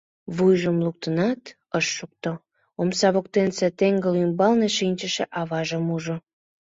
Вуйжым луктынат ыш шукто, омса воктенсе теҥгыл ӱмбалне шинчыше аважым ужо.